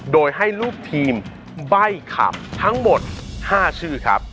โดยให้ลูกทีมใบ้ขำทั้งหมด๕ชื่อครับ